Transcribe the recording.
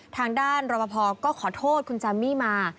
ทางด้านรอปภก็ขอโทษคุณแจมมี่มา